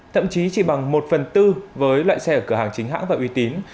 thậm chí chỉ bằng một phần tư với loại xe ở cửa hàng chính hãng và uy tín